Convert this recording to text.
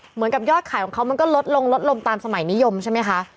เหมือนกับยอดขายของเขามันก็ลดลงลดลงตามสมัยนิยมใช่ไหมคะ